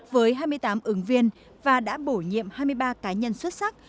với hai mươi tám ứng viên và đã bổ nhiệm hai mươi ba cá nhân xuất sắc